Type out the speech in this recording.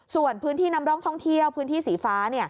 ส่วนพื้นที่นำร่องท่องเที่ยวพื้นที่สีฟ้า